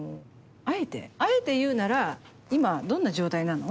あえてあえて言うなら今どんな状態なの？